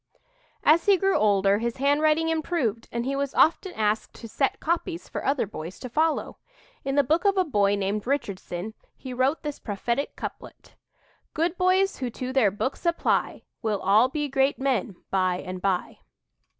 As he grew older his handwriting improved and he was often asked to "set copies" for other boys to follow. In the book of a boy named Richardson, he wrote this prophetic couplet: "Good boys who to their books apply Will all be great men by and by."